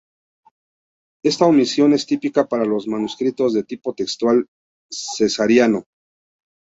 Esta omisión es típica para los manuscritos de tipo textual cesariano.